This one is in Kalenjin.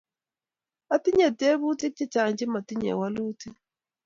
Atinye tyebutik chechang' che motinye walutik